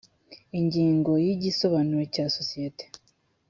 ingingo ya igisobanuro cy isosiyete